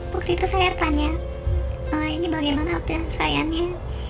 waktu itu saya tanya ini bagaimana ya sayangnya